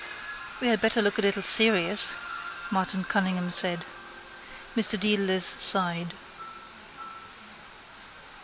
—We had better look a little serious, Martin Cunningham said. Mr Dedalus sighed.